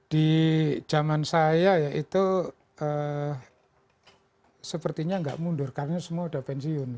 di zaman saya ya itu sepertinya nggak mundur karena semua sudah pensiun